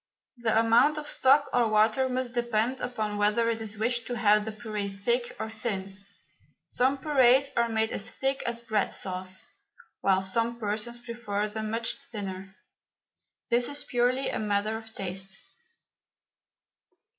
The amount of stock or water must depend upon whether it is wished to have the puree thick or thin. Some purees are made as thick as bread sauce, while some persons prefer them much thinner. This is purely a matter of taste.